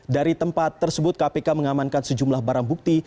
dari tempat tersebut kpk mengamankan sejumlah barang bukti